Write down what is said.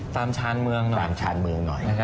ตามชานเมืองหน่อย